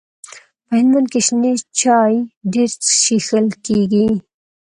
په هلمند کي شنې چاي ډيري چیښل کیږي.